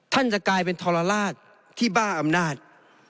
จะกลายเป็นทรลาศที่บ้าอำนาจ